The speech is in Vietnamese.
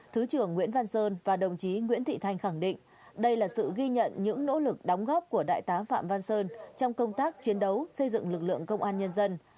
thứ trưởng nguyễn văn sơn và đồng chí nguyễn thị thanh khẳng định đây là sự ghi nhận những nỗ lực đóng góp của đại tá phạm văn sơn trong công tác chiến đấu xây dựng lực lượng công an nhân dân